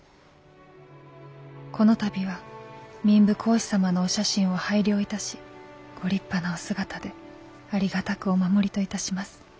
この度は民部公子様のお写真を拝領いたしご立派なお姿でありがたくお守りといたします。